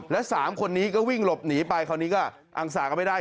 แล้ว๓คนนี้ก็วิ่งหลบหนีไปคราวนี้ก็อังสาก็ไม่ได้